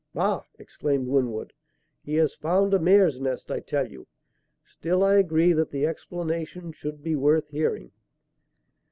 "Bah!" exclaimed Winwood, "he has found a mare's nest, I tell you. Still, I agree that the explanation should be worth hearing."